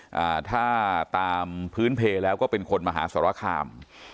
อ่าถ้าตามพื้นเพลแล้วก็เป็นคนมหาสรคาม